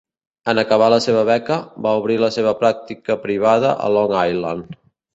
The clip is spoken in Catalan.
En acabar la seva beca, va obrir la seva pràctica privada a Long Island.